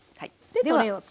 はい。